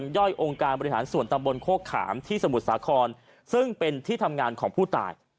ย่อยองค์การบริหารส่วนตำบลโคกขามที่สมุทรสาครซึ่งเป็นที่ทำงานของผู้ตาย